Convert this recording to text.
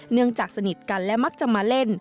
เนื่องจากสนิทกันและมักจะมาเล่น